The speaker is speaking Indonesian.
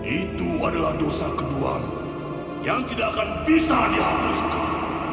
itu adalah dosa keduamu yang tidak akan bisa dihapuskan